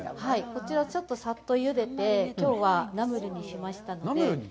こちら、ちょっと、さっとゆでて、きょうはナムルにしましたので。